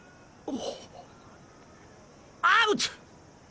アウト！